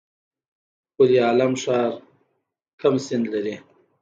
پل علم ښار کوم سیند لري؟